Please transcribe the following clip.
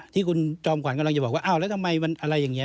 ที่คุณจอมขวัญกำลังจะบอกว่าอ้าวแล้วทำไมมันอะไรอย่างนี้